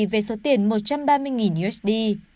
về số tiền một trăm ba mươi usd